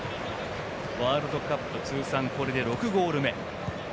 ワールドカップ通算６ゴール目。